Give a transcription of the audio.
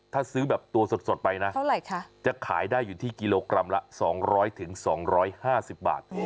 ถ้าซื้อแบบตัวสดไปนะจะขายได้อยู่ที่กิโลกรัมละ๒๐๐๒๕๐บาท